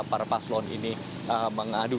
para paslon ini mengadu